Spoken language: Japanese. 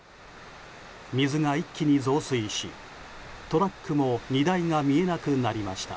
水が一気に増水しトラックも荷台が見えなくなりました。